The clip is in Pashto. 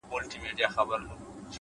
موخه لرونکی انسان نه ستړی کېږي’